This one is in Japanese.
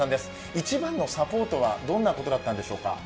一番のサポートはどんなことだったんでしょうか？